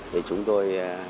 thì chúng tôi